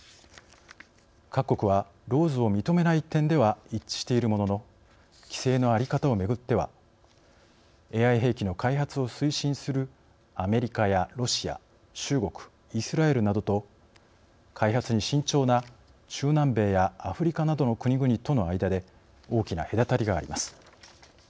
各国はＬＡＷＳを認めない点では一致しているものの規制の在り方をめぐってはＡＩ兵器の開発を推進するアメリカやロシア中国、イスラエルなどと開発に慎重な中南米やアフリカなどの国々との間で大きな隔たりがあります。